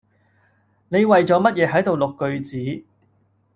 你為咗乜嘢喺度錄句子